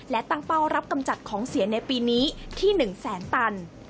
และตั้งเป้ารับกำจัดของเสียในปีนี้ที่๑แสนตัน